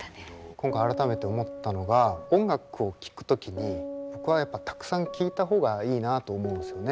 今回改めて思ったのが音楽を聴く時に僕はやっぱたくさん聴いた方がいいなあと思うんですよね。